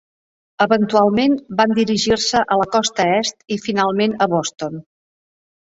Eventualment van dirigir-se a la Costa Est i finalment a Boston.